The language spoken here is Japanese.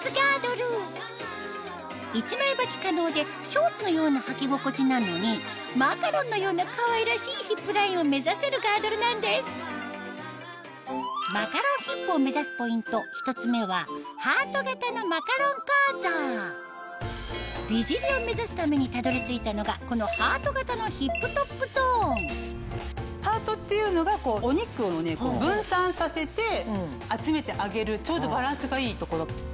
１枚ばき可能でショーツのようなはき心地なのにマカロンのようなかわいらしいヒップラインを目指せるガードルなんですマカロンヒップを目指すポイント１つ目は美尻を目指すためにたどり着いたのがこのハートっていうのがお肉を分散させて集めてあげるちょうどバランスがいいところ。